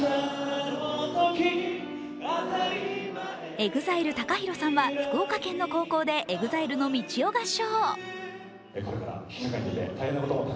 ＥＸＩＬＥ・ＴＡＫＡＨＩＲＯさんは福岡県の高校でＥＸＩＬＥの「道」を合唱。